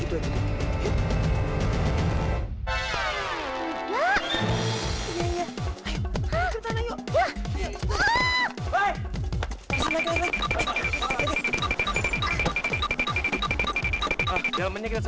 jalan sedikit lagi